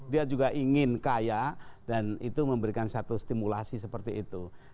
dia juga ingin kaya dan itu memberikan satu stimulasi seperti itu